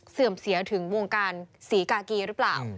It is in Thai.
เสื่อมเสียถึงวงการศรีกากีหรือเปล่า